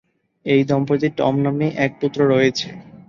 এই দম্পতির টম নামে এক পুত্র রয়েছে।